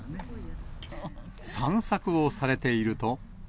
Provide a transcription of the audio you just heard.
散策をされていると。